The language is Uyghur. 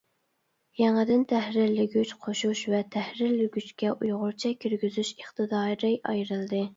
يېڭىدىن تەھرىرلىگۈچ قوشۇش ۋە تەھرىرلىگۈچكە ئۇيغۇرچە كىرگۈزۈش ئىقتىدارى ئايرىلدى.